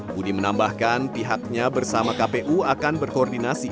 budi menambahkan pihaknya bersama kpu akan berkoordinasi